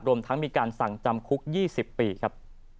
รวมทั้งมีการสั่งจำคุก๒๐ปีครับ